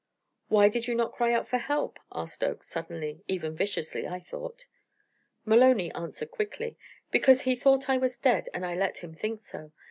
"Why did you not cry out for help?" asked Oakes suddenly, even viciously, I thought. Maloney answered quickly: "Because he thought I was dead, and I let him think so.